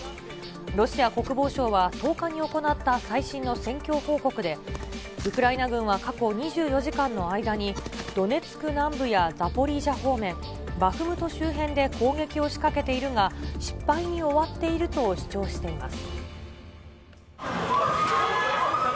ロシア国防省は１０日に行った最新の戦況報告で、ウクライナ軍は過去２４時間の間に、ドネツク南部やザポリージャ方面、バフムト周辺で攻撃をしかけているが、失敗に終わっていると主張しています。